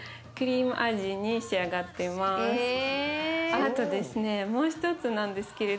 あとですね